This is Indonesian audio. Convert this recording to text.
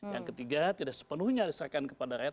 yang ketiga tidak sepenuhnya diserahkan kepada rakyat